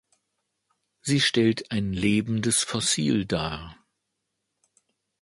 Sie stellt ein lebendes Fossil dar.